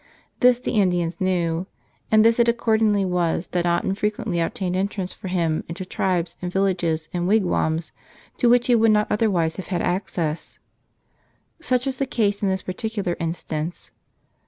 This the In¬ dians knew; and this it accordingly was that not in¬ frequently obtained entrance for him into tribes and villages and wigwams to which he would not otherwise have had access. Such was the case in this particular instance.